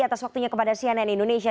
atas waktunya kepada cnn indonesia